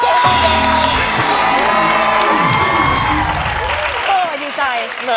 เฮ้ยดีใจ